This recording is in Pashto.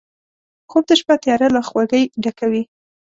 خوب د شپه تیاره له خوږۍ ډکوي